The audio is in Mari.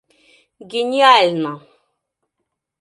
Гениально!